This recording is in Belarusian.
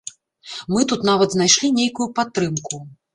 Мы тут нават знайшлі нейкую падтрымку.